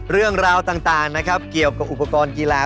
เรื่องราวต่างนะครับเกี่ยวกับอุปกรณ์กีฬา